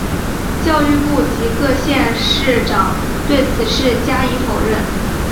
教育部及各县市长对此事加以否认。